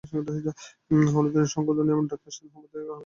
হুলুধ্বনি শঙ্ঘধ্বনি ঢাক-কাঁসর-নহবতে একটা আওয়াজের সাইক্লোন ঝড় উঠল।